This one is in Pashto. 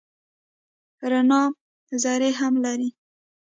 رڼا ذرې هم لري.